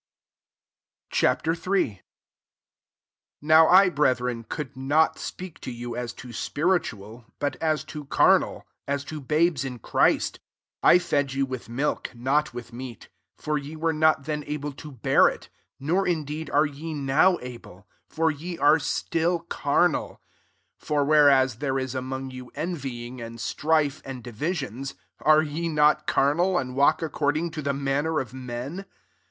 Ch. III. 1 NOW I, breth ren, could not speak to you as to spiritual; but as to carnal, as to babes in Christ. 2 I fed you with milk, not with meat : for ye were not then able to bear it, nor indeed are ye now able ; 3 for ye are still carnal: W whereas there ia among jotj envying, and strife, [and </m* aiohsj'] are ye not carnal, aw walk according to the mamu^ of men